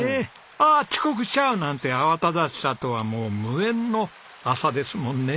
「ああ遅刻しちゃう！」なんて慌ただしさとはもう無縁の朝ですもんね。